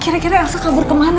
kira kira elsa kabur ke rumahnya